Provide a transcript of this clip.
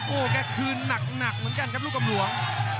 โอ้แก่คืนนักเหมือนกันครับลูกอำรวง